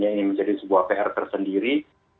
ini menjadi sebuah pr tersendiri